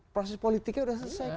proses politiknya sudah selesai